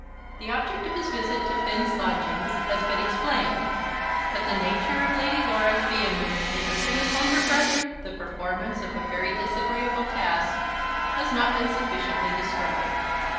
The object of his visit to Finn's lodgings has been explained, but the nature of Lady Laura's vehemence in urging upon her brother the performance of a very disagreeable task has not been sufficiently described.